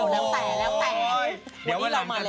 สวัสดีค่าข้าวใส่ไข่